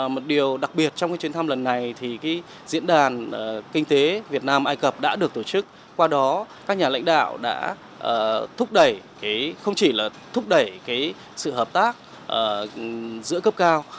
một điều đặc biệt trong chuyến thăm lần này thì diễn đàn kinh tế việt nam ai cập đã được tổ chức qua đó các nhà lãnh đạo đã thúc đẩy không chỉ là thúc đẩy sự hợp tác giữa cấp cao